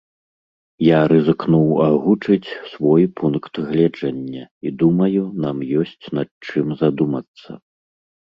Я рызыкнуў агучыць свой пункт гледжання, і думаю, нам ёсць над чым задумацца.